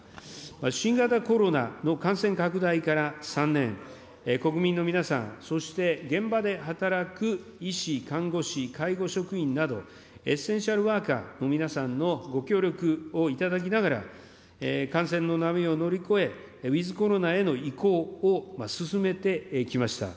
新型コロナの感染拡大から３年、国民の皆さん、そして現場で働く医師、看護師、介護職員など、エッセンシャルワーカーの皆さんのご協力をいただきながら、感染の波を乗り越え、ウィズコロナへの移行を進めてきました。